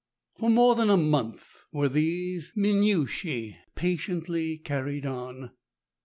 For more than a month were these minutiae patiently carried on.